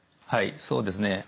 はいそうですね。